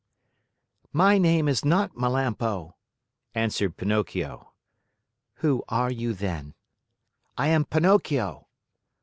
"My name is not Melampo," answered Pinocchio. "Who are you, then?" "I am Pinocchio."